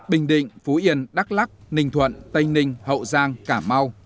bình định phú yên đắk lắc ninh thuận tây ninh hậu giang cả mau